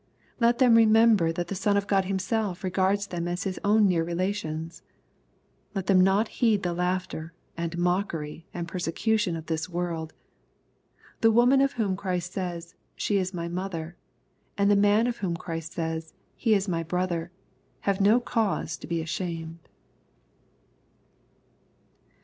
Let them remember that the Son of God himself regards them as his own near relations ! Let them not heed the laughter, and mockery, and persecution of this world. The woman of whom Christ says, " She is my mother," and the man of whom Christ says, *' He is my brother," have no cause to be ashamed.